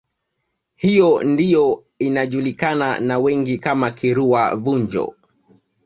Hiyo ndiyo inajulikana na wengi kama Kirua Vunjo